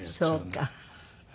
そうか。